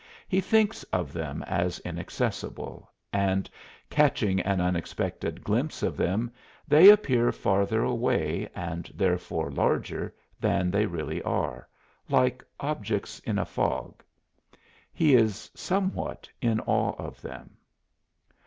He thinks of them as inaccessible; and, catching an unexpected glimpse of them, they appear farther away, and therefore larger, than they really are like objects in a fog. He is somewhat in awe of them.